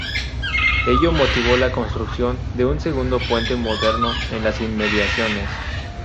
Ello motivó la construcción de un segundo puente moderno en las inmediaciones.